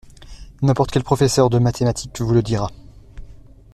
N’importe quel professeur de mathématiques vous le dira.